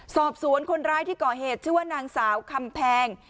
สอบสวนคนร้ายที่ก่อเหตุชื่อว่านางสาวคำแพง